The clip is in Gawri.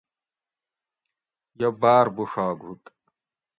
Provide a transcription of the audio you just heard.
یہ باۤر بوڛاگ ہُوت